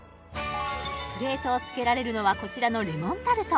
プレートを付けられるのはこちらのレモンタルト